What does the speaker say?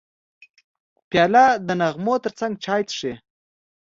پیاله د نغمو ترڅنګ چای څښي.